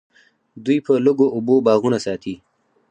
دوی په لږو اوبو باغونه ساتي.